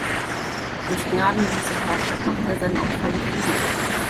Durch gnadenlose Härte macht er seine Opfer gefügig.